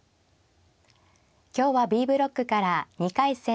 今日はＢブロックから２回戦